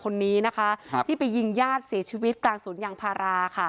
คนนี้นะคะครับที่ไปยิงญาติเสียชีวิตกลางสวนยางพาราค่ะ